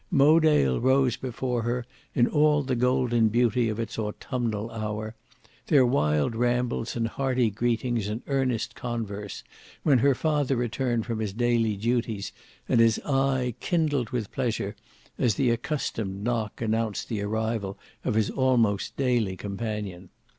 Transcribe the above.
Mowedale rose before her in all the golden beauty of its autumnal hour; their wild rambles and hearty greetings and earnest converse, when her father returned from his daily duties and his eye kindled with pleasure as the accustomed knock announced the arrival of his almost daily companion.